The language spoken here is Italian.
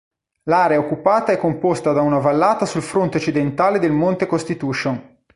L'area occupata è composta da una vallata sul fronte occidentale del Monte Constitution.